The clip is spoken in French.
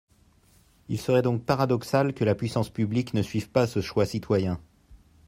Il serait donc paradoxal que la puissance publique ne suive pas ce choix citoyen.